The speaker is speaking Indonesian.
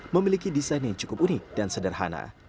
memiliki desain yang cukup unik dan sederhana